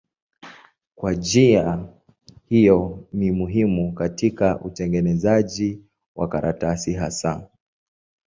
Kwa njia hiyo ni muhimu katika utengenezaji wa karatasi hasa.